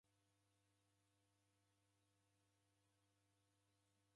Naboilwagha nandighi ni kimzedu.